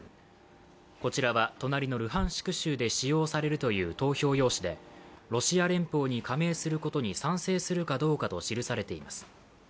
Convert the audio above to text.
こちらは、隣のルハンシク州で使用されるという投票用紙でロシア連邦に加盟することに賛成するかどうかと記されています。